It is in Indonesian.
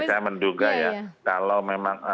saya menduga ya kalau memang